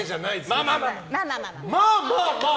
まあまあまあ！